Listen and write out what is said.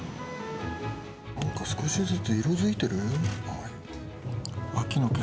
なんか少しずつ色づいてる？